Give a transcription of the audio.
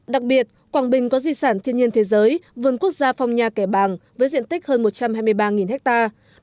đặc biệt quảng bình có di sản thiên nhiên thế giới vườn quốc gia phong nha kẻ bàng với diện tích hơn một trăm hai mươi ba hectare